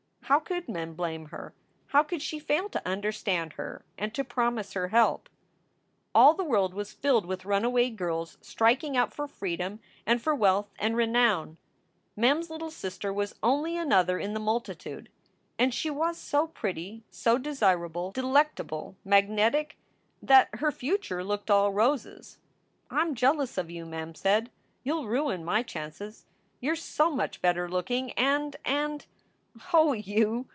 How could Mem blame her ? How could she fail to under stand her and to promise her help ? All the world was filled with runaway girls striking out for freedom and for wealth and renown. Mem s little sister was only another in the multitude and she was so pretty, so desirable, delectable, magnetic, that her future looked all roses. " I m jealous of you, * Mem said. You ll ruin my chances, you re so much better looking, and and "Oh, you!"